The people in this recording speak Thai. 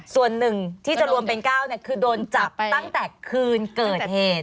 ส่วนหนึ่งที่จะรวมเป็น๙คือโดนจับตั้งแต่คืนเกิดเหตุ